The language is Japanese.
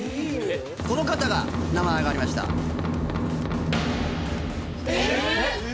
この方が名前あがりました・え！